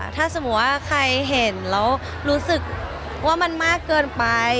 ถ้าสมมุติว่าใครเห็นแล้วรู้สึกว่ามันมากเกินไป